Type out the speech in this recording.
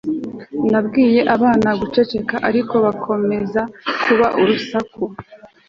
nabwiye abana guceceka, ariko bakomeza kuba urusaku